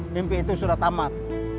mimpi itu sudah tamat